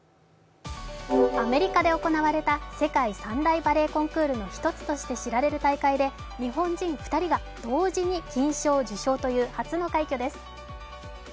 アメリカで行われた世界三大バレエコンクールの１つとして知られる大会で日本人２人が同時に金賞受賞という初の快挙です。